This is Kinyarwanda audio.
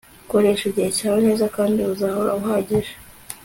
koresha igihe cyawe neza kandi uzahora uhagije